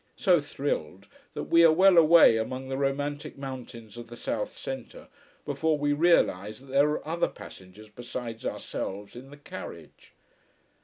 So thrilled that we are well away among the romantic mountains of the south centre before we realise that there are other passengers besides ourselves in the carriage.